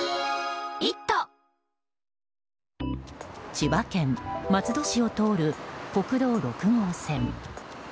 千葉県松戸市を通る国道６号線。